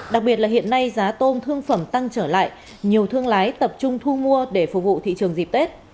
đặc biệt là hiện nay giá tôm thương phẩm tăng trở lại nhiều thương lái tập trung thu mua để phục vụ thị trường dịp tết